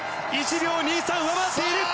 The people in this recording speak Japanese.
１秒２３上回っている。